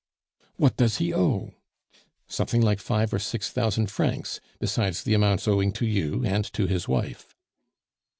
"What does he owe?" "Something like five or six thousand francs, besides the amounts owing to you and to his wife."